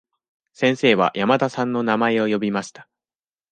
先生は山田さんの名前を呼びました。